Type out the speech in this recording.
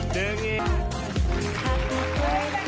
ดึงอีก